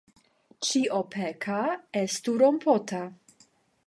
Ĉio peka estu rompota.